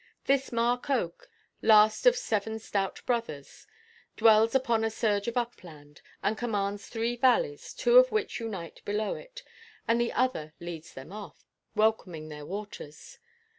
This "mark–oak," last of seven stout brothers, dwells upon a surge of upland, and commands three valleys, two of which unite below it, and the other leads them off, welcoming their waters.